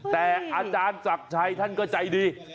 แต่อาจารย์ศักดิ์ชัยท่านก็ใจดี